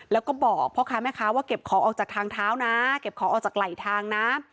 แล้วก็บอกพ่อค้าแม่ค้าว่าเก็บของออกจากทางเท้านะเก็บของออกจากไหลทางนะ